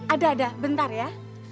ada ada bentar ya